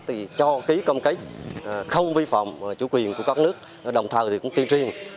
thì cho ký công kết không vi phạm chủ quyền của các nước đồng thời thì cũng tuyên truyền